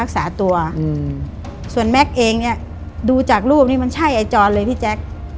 ส่วนแม็กซ์เองเนี่ยดูจากรูปนี้มันใช่ไอ้จรเลยพี่แจ๊ค